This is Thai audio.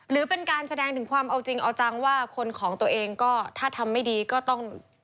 หรือเป็นการแสดงถึงความเอาจริงเอาจังว่าคนของตัวเองก็ถ้าทำไม่ดีก็ต้อง